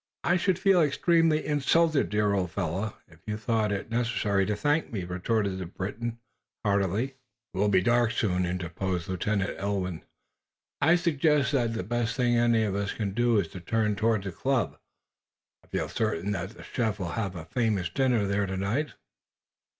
"I should feel extremely insulted, dear old fellow, if you thought it necessary to thank me," retorted the Briton, heartily. "It will be dark, soon," interposed Lieutenant Ulwin. "I suggest that the best thing any of us can do is to turn toward the club. I feel certain that the chef will have a famous dinner there to night."